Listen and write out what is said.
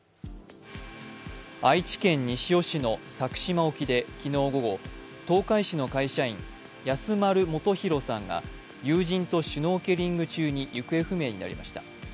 愛知県西尾市の佐久島沖で昨日午後、東海市の会社員、安丸元浩さんが友人とシュノーケリング中に行方不明になりました。